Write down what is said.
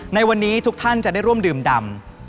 ในวันนี้ทุกท่านจะได้ร่วมดื่มดำ